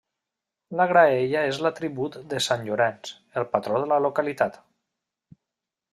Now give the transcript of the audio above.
La graella és l'atribut de sant Llorenç, el patró de la localitat.